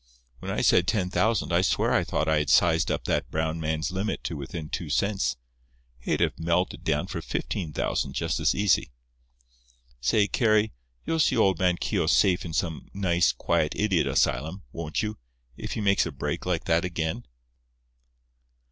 When I said ten thousand, I swear I thought I had sized up that brown man's limit to within two cents. He'd have melted down for fifteen thousand just as easy. Say—Carry—you'll see old man Keogh safe in some nice, quiet idiot asylum, won't you, if he makes a break like that again?"